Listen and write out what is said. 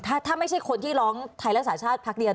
ถ้าไม่ใช่คนที่ร้องไทยรักษาชาติพักเดียว